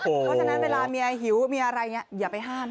เพราะฉะนั้นเมียหิวมีอะไรอย่าไปห้าม